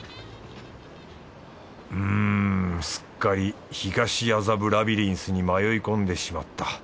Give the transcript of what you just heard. うんすっかり東麻布ラビリンスに迷い込んでしまった。